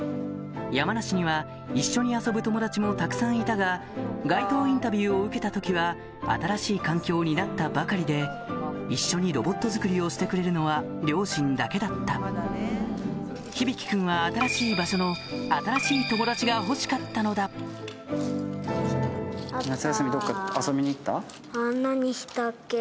山梨には一緒に遊ぶ友達もたくさんいたが街頭インタビューを受けた時はになったばかりで一緒にロボット作りをしてくれるのは両親だけだったひびきくんは新しい場所の新しい友達が欲しかったのだあ何したっけ？